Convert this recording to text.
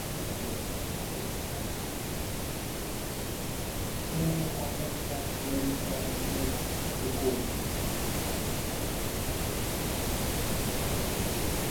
Spring and autumn can vary from mild to cool.